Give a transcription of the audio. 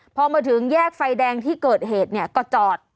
พอมาถึงแยกไฟแดงที่เกิดเหตุเนี่ยก็จอด